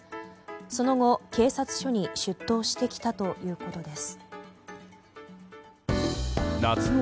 その後、警察署に出頭してきたということです。